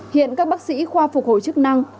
hiện các bác sĩ khoa phục hồi chức năng